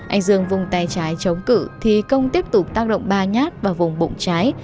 anh dương vùng tay trái chống cử thì công tiếp tục tắc động ba nhát vào vùng bụng trái